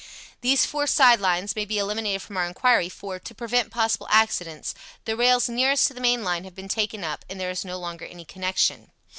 These four side lines may be eliminated from our inquiry, for, to prevent possible accidents, the rails nearest to the main line have been taken up, and there is no longer any connection.